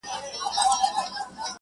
لا د مرګ په خوب ویده دی-!